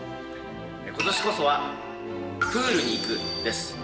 今年こそはプールに行くです。